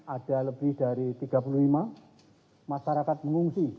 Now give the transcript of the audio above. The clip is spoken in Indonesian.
ada lebih dari tiga puluh lima masyarakat mengungsi